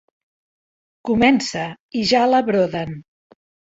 Comença i ja la broden.